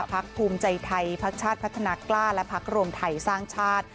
พักภูมิใจไทยพักชาติพัฒนากล้าและพักรวมไทยสร้างชาติ